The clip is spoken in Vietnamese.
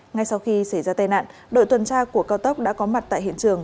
ngay sau khi xảy ra tai nạn đội tuần tra của cao tốc đã có mặt tại hiện trường